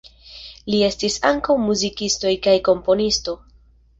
Li estis ankaŭ muzikisto kaj komponisto.